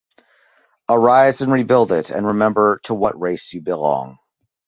Arise and rebuild it, and remember to what race you belong.